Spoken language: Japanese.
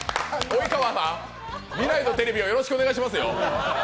及川さん、未来のテレビをよろしくお願いしますよ。